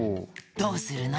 どうするの？